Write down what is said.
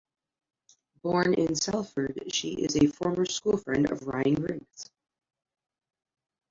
Born in Salford, she is a former school friend of Ryan Giggs.